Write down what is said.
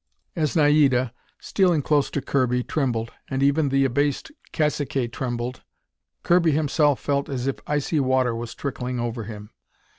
As Naida, stealing close to Kirby, trembled, and even the abased caciques trembled, Kirby himself felt as if icy water was trickling over him.